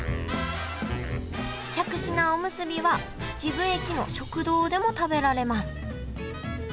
しゃくし菜おむすびは秩父駅の食堂でも食べられます